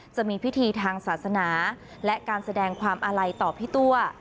จะมีพิธีทางศาสนาและการแสดงความอาลัยต่อพี่ตัว